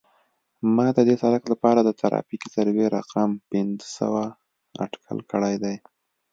ما د دې سرک لپاره د ترافیکي سروې رقم پنځه سوه اټکل کړی دی